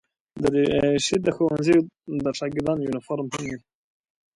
دریشي د ښوونځي د شاګردانو یونیفورم هم وي.